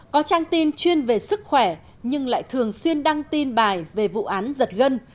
có trang tin chuyên về sức khỏe nhưng lại thường xuyên đăng tin bài về vụ án giật gân